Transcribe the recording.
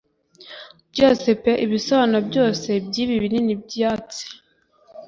Byose pe ibisobanuro byose byibi binini byatsi -